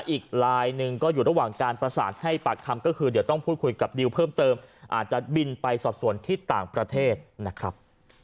อีกลายหนึ่งก็อยู่ระหว่างการประสานให้ปากคำก็คือเดี๋ยวต้องพูดคุยกับดิวเพิ่มเติมอาจจะบินไปสอบส่วนที่ต่างประเทศนะครับ